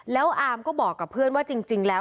แล้วอามก็บอกกับเพื่อนว่าจริงแล้ว